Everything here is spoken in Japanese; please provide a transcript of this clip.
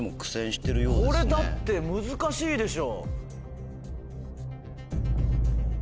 これだって難しいでしょう。